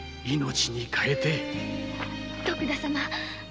徳田様。